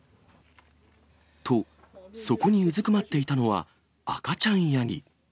と、そこにうずくまっていたのは赤ちゃんヤギ。